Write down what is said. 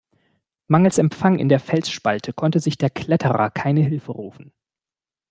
Mangels Empfang in der Felsspalte konnte sich der Kletterer keine Hilfe rufen.